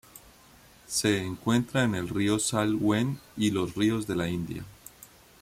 Se encuentra en el río Salween y los ríos de la India.